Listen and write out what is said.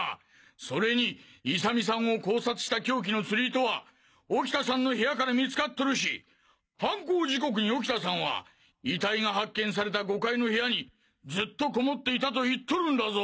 それに勇美さんを絞殺した凶器の釣り糸は沖田さんの部屋から見つかっとるし犯行時刻に沖田さんは遺体が発見された５階の部屋にずっとこもっていたと言っとるんだぞ！